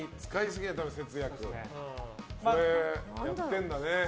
これ、やってるんだね。